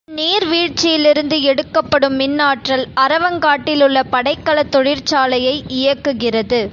இந் நீர் வீழ்ச்சியிலிருந்து எடுக்கப்படும் மின்னாற்றல் அரவங் காட்டிலுள்ள படைக்கலத் தொழிற்சாலை யை இயக்குகிறது.